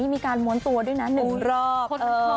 มีการม้วนตัวด้วยนะ๑รอบ